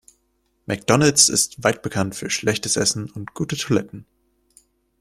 McDonald's ist weit bekannt für schlechtes Essen und gute Toiletten.